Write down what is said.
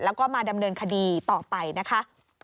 แล้วก็มาดำเนินคดีต่อไปนะคะ